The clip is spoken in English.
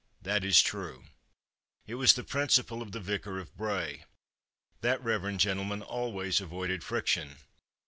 That is true. It was the principle of the Vicar of Bray. That reverend gentleman always avoided friction.